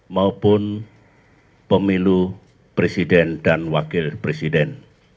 maupun pemilu presiden dan wakil presiden